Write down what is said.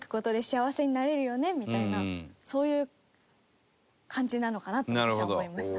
そういう感じなのかなと私は思いました。